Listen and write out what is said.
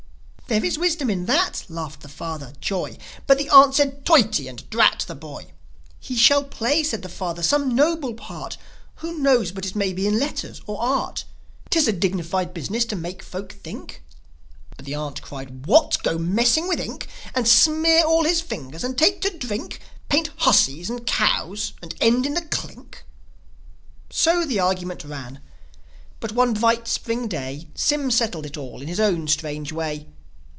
"There is wisdom in that," laughed the father, Joi. But the aunt said, "Toity!" and, "Drat the boy!" "He shall play," said the father, "some noble part. Who knows but it may be in letters or art? 'Tis a dignified business to make folk think." But the aunt cried, "What! Go messing with ink? And smear all his fingers, and take to drink? Paint hussies and cows, and end in the clink?" So the argument ran; but one bright Spring day Sym settled it all in his own strange way.